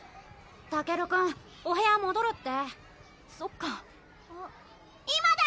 たけるくんお部屋もどるってそっか今だ！